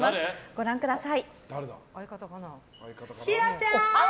ご覧ください。